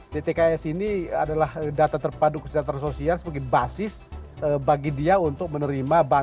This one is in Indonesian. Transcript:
dtks ini adalah data terpadu kesejahteraan sosial sebagai basis bagi dia untuk menerima bantuan